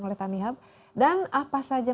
oleh tanihub dan apa saja